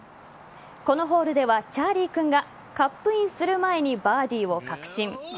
このホールでは、チャーリー君がカップインする前にバーディーを確信。